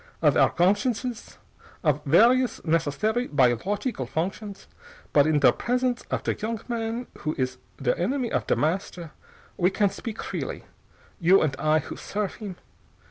Of our gonsciences. Of various necessary biological functions. But in der presence of der young man who is der enemy of Der Master we can speak freely, you and I who serf him.